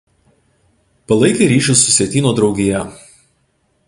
Palaikė ryšius su „Sietyno“ draugija.